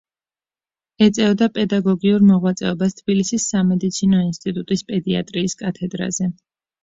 ეწეოდა პედაგოგიურ მოღვაწეობას თბილისის სამედიცინო ინსტიტუტის პედიატრიის კათედრაზე.